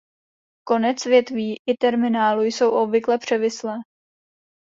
Konce větví i terminálu jsou obvykle převislé.